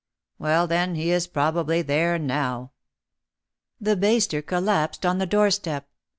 Well, then, he is prob ably there now." The baster collapsed on the doorstep.